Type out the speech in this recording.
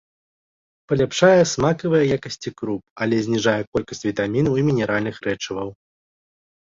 Паляпшае смакавыя якасці круп, але зніжае колькасць вітамінаў і мінеральных рэчываў.